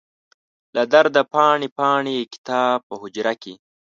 له درده پاڼې، پاڼې یې کتاب په حجره کې